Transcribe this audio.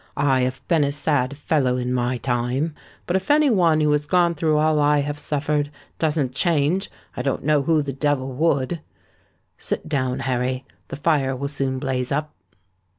"I have been a sad fellow in my time: but if any one who has gone through all I have suffered, doesn't change, I don't know who the devil would. Sit down, Harry—the fire will soon blaze up."